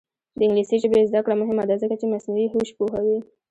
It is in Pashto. د انګلیسي ژبې زده کړه مهمه ده ځکه چې مصنوعي هوش پوهوي.